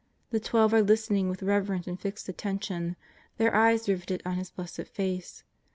The Twelve are listening with reverent and fixed attention, their eves riveted on His blessed face.